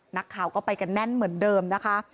นักข่าวก็ไปกันแน่นเหมือนเดิมนะคะ